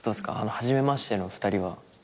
初めましての２人は。